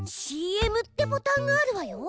ＣＭってボタンがあるわよ。